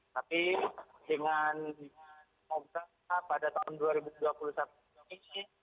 tapi dengan pemerintah pada tahun dua ribu dua puluh satu ini